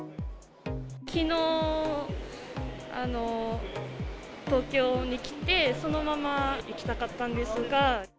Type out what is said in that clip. きのう、東京に来て、そのまま行きたかったんですが。